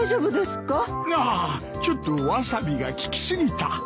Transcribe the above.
ああちょっとワサビが効きすぎた。